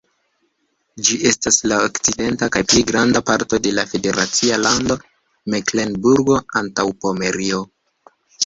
Ĝi estas la okcidenta kaj pli granda parto de la federacia lando Meklenburgo-Antaŭpomerio.